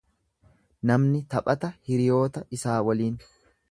Namni taphata hiriyoota isaa waliin.